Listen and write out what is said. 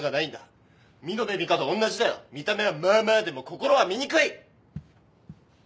見た目はまあまあでも心は醜い！